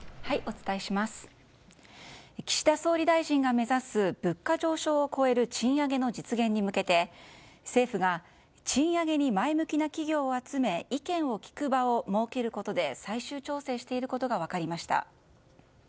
岸田総理大臣が目指す物価上昇を超える賃上げの実現に向けて、政府が賃上げに前向きな企業を集め意見を聞く場を設けることで最終調整していることが分かりました。